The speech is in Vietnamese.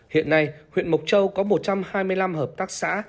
hiện nay huyện mộc châu có một trăm hai mươi năm hợp tác xã